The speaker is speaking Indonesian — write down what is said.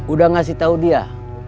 udah ngasih tau dia